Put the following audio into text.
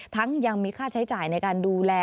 ยังมีค่าใช้จ่ายในการดูแล